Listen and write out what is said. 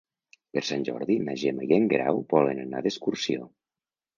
Per Sant Jordi na Gemma i en Guerau volen anar d'excursió.